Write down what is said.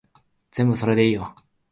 全部それでいいよ